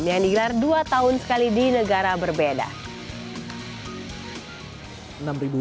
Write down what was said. yang digelar dua tahun sekali di negara berbeda